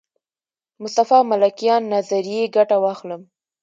مصطفی ملکیان نظریې ګټه واخلم.